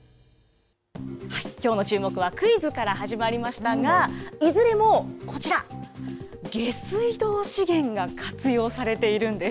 きょうのチューモク！はクイズから始まりましたが、いずれもこちら、下水道資源が活用されているんです。